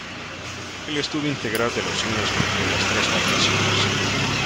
El estudio integral de los signos contiene las tres valoraciones.